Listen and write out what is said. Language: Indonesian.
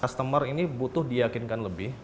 customer ini butuh diyakinkan lebih